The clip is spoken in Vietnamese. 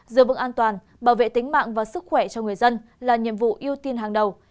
giữ vững an toàn bảo vệ tính mạng và sức khỏe cho người dân là nhiệm vụ ưu tiên hàng đầu